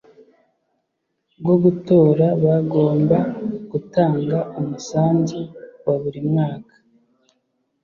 bwo gutora bagomba gutanga umusanzu wa buri mwaka